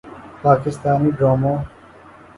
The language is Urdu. پاکستانی ڈراموں